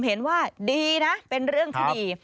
เห็นว่าดีนะเป็นเรื่องที่ดี